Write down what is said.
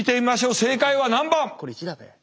正解は何番。